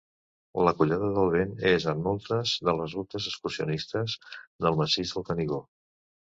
La Collada del Vent és en moltes de les rutes excursionistes del Massís del Canigó.